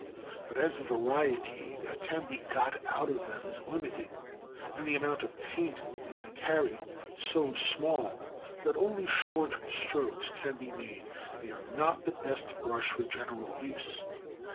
But as the variety that can be got out of them is limited, and the amount of paint they can carry so small that only short strokes can be made, they are not the best brush for general use.